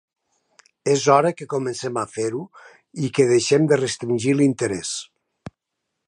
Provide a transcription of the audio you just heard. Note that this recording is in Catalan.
És hora que comencem a fer-ho i que deixem de restringir l’interès.